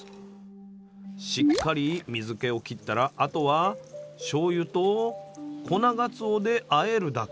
しっかり水けを切ったらあとはしょうゆと粉がつおであえるだけ。